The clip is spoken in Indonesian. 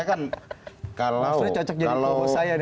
sudah jelas itu ada beberapa nama tadi